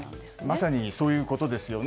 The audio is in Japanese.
まさにそういうことですよね。